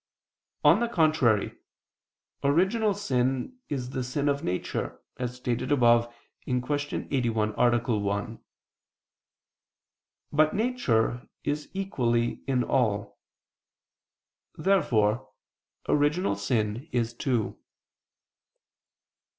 On the contrary, Original sin is the sin of nature, as stated above (Q. 81, A. 1). But nature is equally in all. Therefore original sin is too.